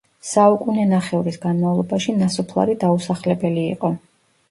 საუკუნენახევრის განმავლობაში ნასოფლარი დაუსახლებელი იყო.